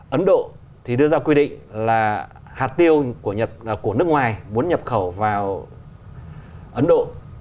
ấn độ thì đưa ra quy định là hạt tiêu của nước ngoài muốn nhập khẩu vào ấn độ